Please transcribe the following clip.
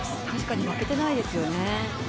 確かに負けてないですよね。